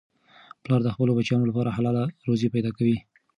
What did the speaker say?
پلار د خپلو بچیانو لپاره حلاله روزي پیدا کوي.